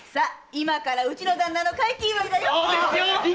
今からうちの旦那の快気祝いだよ！